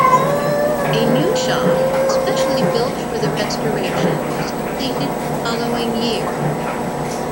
A new shop, especially built for the restoration, was completed the following year.